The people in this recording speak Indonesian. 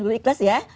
dulu ikhlas ya